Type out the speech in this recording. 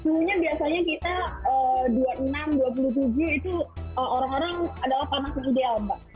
suhunya biasanya kita dua puluh enam dua puluh tujuh itu orang orang adalah panas ideal mbak